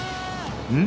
うん？